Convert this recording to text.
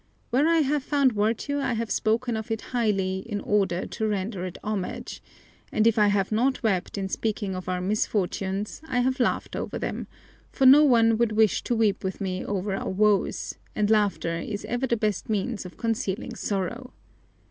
Where I have found virtue I have spoken of it highly in order to render it homage; and if I have not wept in speaking of our misfortunes, I have laughed over them, for no one would wish to weep with me over our woes, and laughter is ever the best means of concealing sorrow.